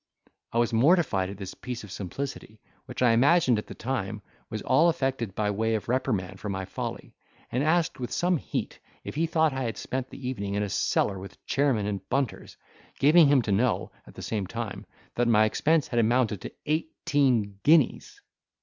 I was mortified at this piece of simplicity, which I imagined, at that time, was all affected by way of reprimand for my folly; and asked with some heat if he thought I had spent the evening in a cellar with chairmen and bunters; giving him to know, at the same time, that my expense had amounted to eighteen guineas.